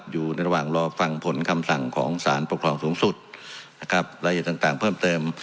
อยู่ระหว่างรอฟังผลคำสั่งของสารปกรองสูงสุดรายเหตุทางเพิ่มเติม